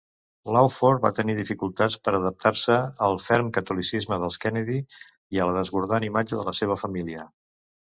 Lawford va tenir dificultats per adaptar-se al ferm catolicisme dels Kennedy i a la desbordant imatge de la seva família.